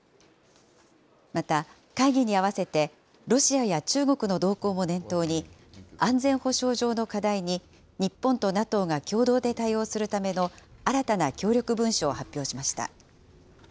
また会議に合わせて、ロシアや中国の動向も念頭に、安全保障上の課題に、日本とＮＡＴＯが共同で対応するための新たな協力文書を発表しました。